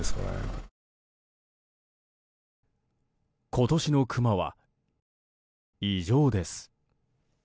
今年のクマは異常です。